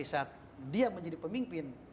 saat dia menjadi pemimpin